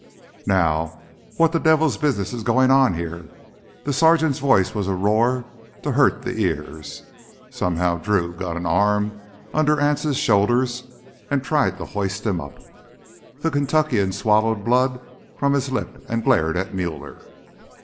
"Now, just what devil's business is goin' on here?" The sergeant's voice was a roar to hurt the ears. Somehow Drew got an arm under Anse's shoulders and tried to hoist him up. The Kentuckian swallowed blood from his lip and glared at Muller.